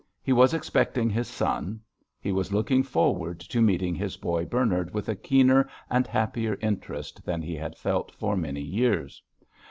He was expecting his son; he was looking forward to meeting his boy Bernard with a keener and happier interest than he had felt for many years.